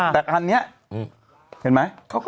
แต่อันนี้เห็นไหม